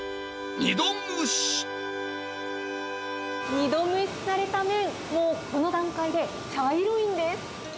二度蒸しされた麺、もうこの段階で茶色いんです。